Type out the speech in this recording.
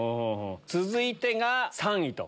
続いてが３位。